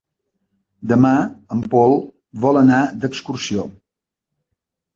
Demà en Pol vol anar d'excursió.